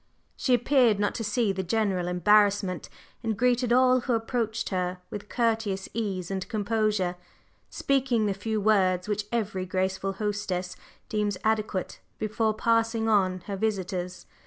She appeared not to see the general embarrassment, and greeted all who approached her with courteous ease and composure, speaking the few words which every graceful hostess deems adequate before "passing on" her visitors.